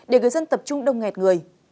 để người dân tập trung đông nghẹt người